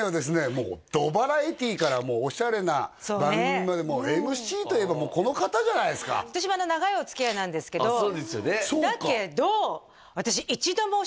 もうどバラエティーからもうオシャレな番組までＭＣといえばこの方じゃないですか私は長いおつきあいなんですけどあっ